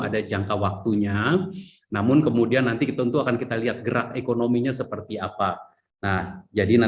ada jangka waktunya namun kemudian nanti tentu akan kita lihat gerak ekonominya seperti apa nah jadi